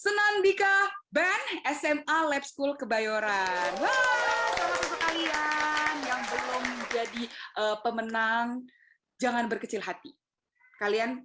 menandika band sma lab school kebayoran yang belum jadi pemenang jangan berkecil hati kalian